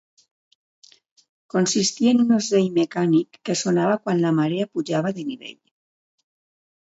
Consistia en un ocell mecànic que sonava quan la marea pujava de nivell.